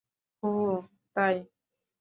হু, তাই।